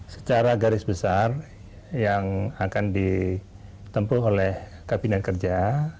secara garis besar yang akan ditempuh oleh kabinet kerja